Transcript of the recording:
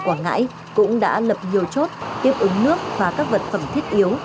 quảng ngãi cũng đã lập nhiều chốt tiếp ứng nước và các vật phẩm thiết yếu